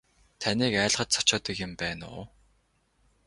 Таныг айлгаж цочоодог юм байна уу.